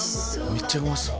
めっちゃうまそう。